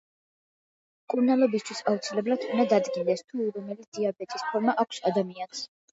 მკურნალობისთვის აუცილებლად უნდა დადგინდეს თუ რომელი დიაბეტის ფორმა აქვს ადამიანს.